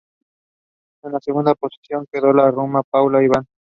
En segunda posición quedó la rumana Paula Ivan.